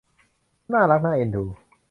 น่ารักน่าเอ็นดู